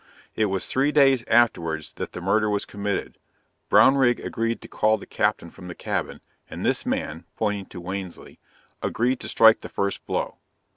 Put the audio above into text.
It was three days afterwards that the murder was committed. Brownrigg agreed to call up the captain from the cabin, and this man, (pointing to Wansley,) agreed to strike the first blow.